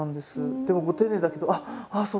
でもご丁寧だけど「ああそっか。